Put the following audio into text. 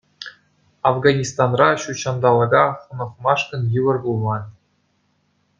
Афганистанра ҫут ҫанталӑка хӑнӑхмашкӑн йывӑр пулман.